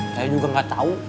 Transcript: saya juga gak tau